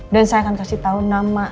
dan saya akan kasih tau nama